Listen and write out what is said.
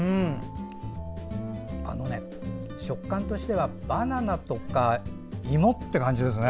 あのね、食感としてはバナナとか芋って感じですね。